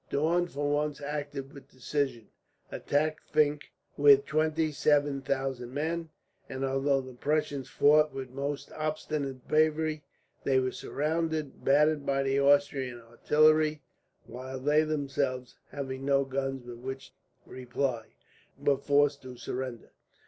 Daun for once acted with decision, attacked Fink with twenty seven thousand men and, although the Prussians fought with most obstinate bravery, they were surrounded; battered by the Austrian artillery; while they themselves, having no guns with which to make reply, were forced to surrender.